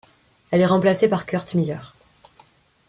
Elle est remplacée par Curt Miller.